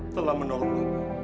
telah menolong lo